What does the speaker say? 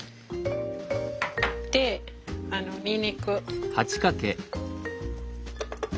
でにんにく。